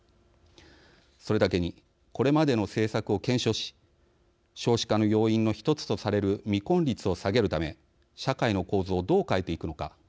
それだけにこれまでの政策を検証し少子化の要因の１つとされる未婚率を下げるため社会の構造をどう変えていくのか。